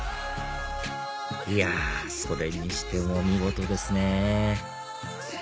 いやそれにしてもお見事ですね